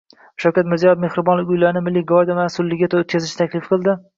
Shavkat Mirziyoyev mehribonlik uylarini Milliy gvardiya mas’ulligiga o‘tkazishni taklif qildi